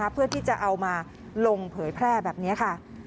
เพื่อที่จะเอามาลงเผยแพร่แบบนี้ค่ะ